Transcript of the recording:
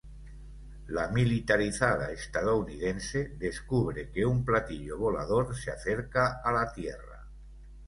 La militarizada estadounidense descubre que un platillo volador se acerca a la tierra.